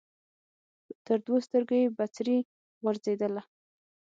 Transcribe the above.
تر دوو سترګو یې بڅري غورځېدله